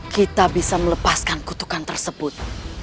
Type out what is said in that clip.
kita bisa melepaskan kutukan tersebut